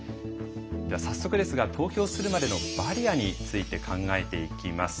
早速ですが投票するまでのバリアについて考えていきます。